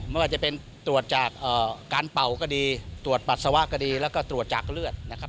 ไม่ว่าจะเป็นตรวจจากการเป่าก็ดีตรวจปัสสาวะก็ดีแล้วก็ตรวจจากเลือดนะครับ